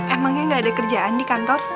emangnya gak ada kerjaan di kantor